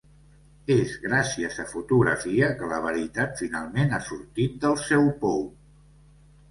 És gràcies a fotografia que la veritat finalment ha sortit del seu pou.